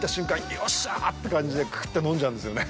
よっしゃーって感じでクーっと飲んじゃうんですよね。